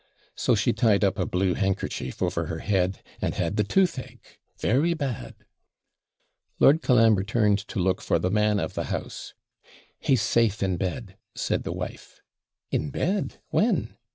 So she tied up a blue handkerchief over her head, and had the toothache, 'very bad.' Lord Colambre turned to look for the man of the house. 'He's safe in bed,' said the wife. 'In bed! When?'